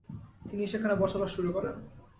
তিনি সেখানে বসবাস শুরু করেন।